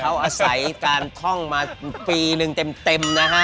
เขาอาศัยการท่องมาปีหนึ่งเต็มนะฮะ